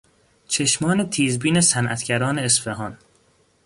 چشمان تیزبین صنعتگران اصفهان